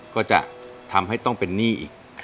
ก็จะทำให้ต้องเป็นหนี้อีก